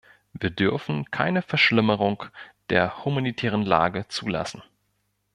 Wir dürfen keine Verschlimmerung der humanitären Lage zulassen!